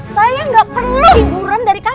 saya ga perlu hiburan dari kamu